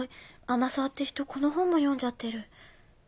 天沢って人この本も読んじゃってる。